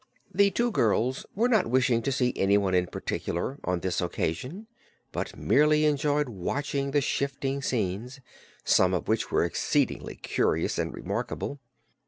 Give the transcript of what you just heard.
The two girls were not wishing to see anyone in particular, on this occasion, but merely enjoyed watching the shifting scenes, some of which were exceedingly curious and remarkable.